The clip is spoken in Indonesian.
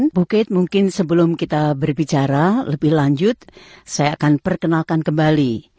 bukit mungkin sebelum kita berbicara lebih lanjut saya akan perkenalkan kembali